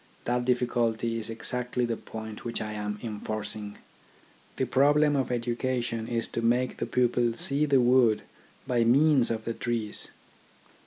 That difficulty is exactly the point which I am enforcing. The problem of education is to make the pupil see the wood by means of the trees.